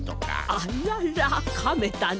あららかめたの？